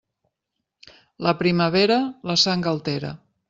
La primavera, la sang altera.